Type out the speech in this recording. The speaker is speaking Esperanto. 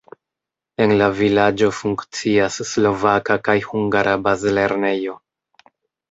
En la vilaĝo funkcias slovaka kaj hungara bazlernejo.